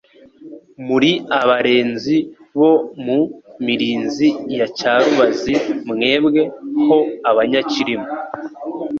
Muri abarenzi bo mu Mirinzi ya Cyarubazi Mwebwe ho Abanyacyirima